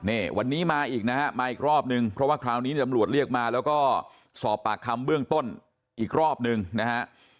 นี่วันนี้มาอีกนะฮะมาอีกรอบนึงเพราะว่าคราวนี้ตำรวจเรียกมาแล้วก็สอบปากคำเบื้องต้นอีกรอบนึงนะฮะ